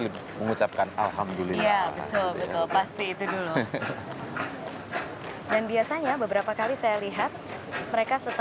dengarkan ucapan selamat